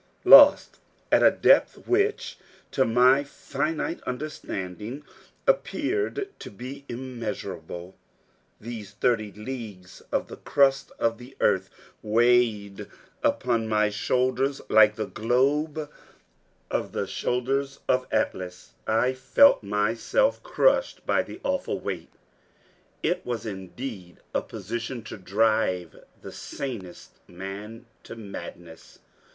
Lost at a depth which, to my finite understanding, appeared to be immeasurable. These thirty leagues of the crust of the earth weighed upon my shoulders like the globe on the shoulders of Atlas. I felt myself crushed by the awful weight. It was indeed a position to drive the sanest man to madness!